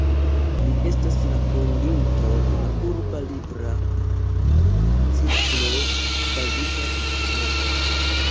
Li estas la fondinto de la Urba Libra Cirklo, bazita en Kanado.